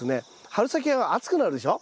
春先は暑くなるでしょ？